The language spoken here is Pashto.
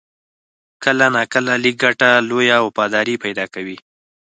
کله ناکله لږ ګټه، لویه وفاداري پیدا کوي.